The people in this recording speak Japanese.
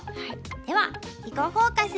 では「囲碁フォーカス」